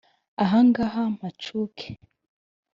ahangaha mpacuke